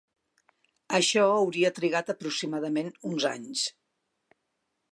Això hauria trigat aproximadament uns anys.